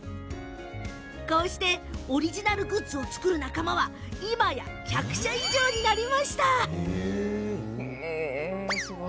オリジナル製品を作る仲間は今や１００社以上になりました。